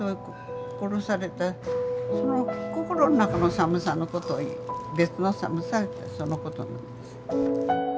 殺されたその心の中の寒さのことを「別の寒さ」ってそのことなんです。